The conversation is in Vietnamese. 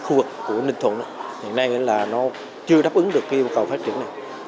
khu vực của ninh thuận hiện nay chưa đáp ứng được yêu cầu phát triển này